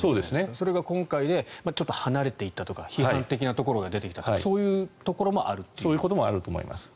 それが今回で離れていったとか批判的なところが出てきたとかそういうところもあるということですか？